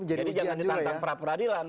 jadi jangan ditantang perapuradilan